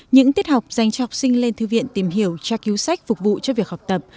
những tiết học dành cho học sinh lên thư viện tìm hiểu tra cứu sách phục vụ cho việc học tập